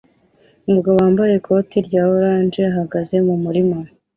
Umugabo wambaye ikoti rya orange ahagaze mumurima